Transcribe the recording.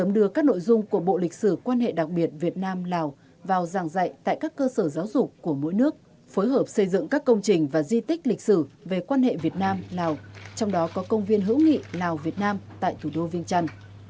đưa các nội dung của bộ lịch sử quan hệ đặc biệt việt nam lào vào giảng dạy tại các cơ sở giáo dục của mỗi nước phối hợp xây dựng các công trình và di tích lịch sử về quan hệ việt nam lào trong đó có công viên hữu nghị lào việt nam tại thủ đô viên trăn